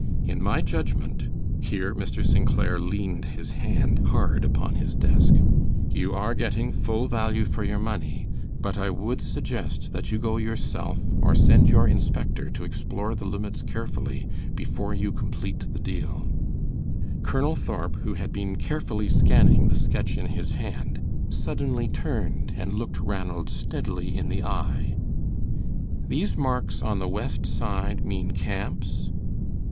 In my judgment " here Mr. St. Clair leaned his hand hard upon his desk "you are getting full value for your money, but I would suggest that you go yourself or send your inspector to explore the limits carefully before you complete the deal." Colonel Thorp, who had been carefully scanning the sketch in his hand, suddenly turned and looked Ranald steadily in the eye. "These marks on the west side mean camps?"